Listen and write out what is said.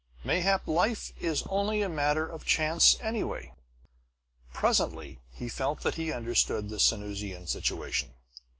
Mayhap life is only a matter of chance, anyway." Presently he felt that he understood the Sanusian situation.